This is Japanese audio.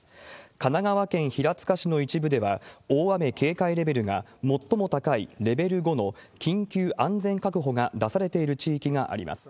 神奈川県平塚市の一部では、大雨警戒レベルが最も高いレベル５の緊急安全確保が出されている地域があります。